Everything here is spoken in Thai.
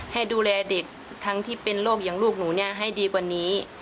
ให้ดูแลเด็กทั้งที่เป็นโรคอย่างลูกหนูให้ดีกว่านี้